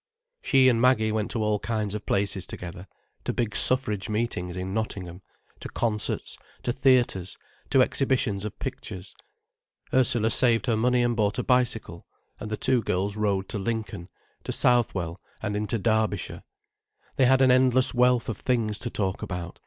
She and Maggie went to all kinds of places together, to big suffrage meetings in Nottingham, to concerts, to theatres, to exhibitions of pictures. Ursula saved her money and bought a bicycle, and the two girls rode to Lincoln, to Southwell, and into Derbyshire. They had an endless wealth of things to talk about.